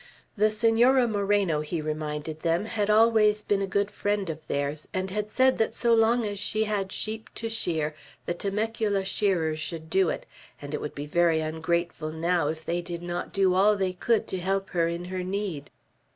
The Senora Moreno, he reminded them, had always been a good friend of theirs, and had said that so long as she had sheep to shear, the Temecula shearers should do it; and it would be very ungrateful now if they did not do all they could to help her in her need.